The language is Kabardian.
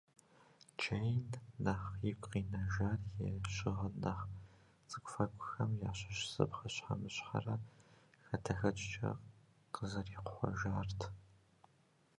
Джейн нэхъ игу къинэжар и щыгъын нэхъ цӏыкӏуфэкӏухэм ящыщ зы пхъэщхьэмыщхьэрэ хадэхэкӏкӏэ къызэрихъуэжарт.